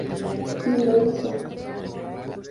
Y lo hizo.